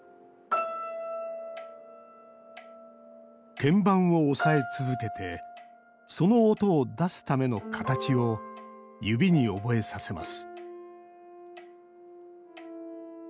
鍵盤を押さえ続けてその音を出すための形を指に覚えさせます。